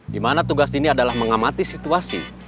dimana tugas dini adalah mengamati situasi